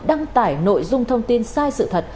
đăng tải nội dung thông tin sai sự thật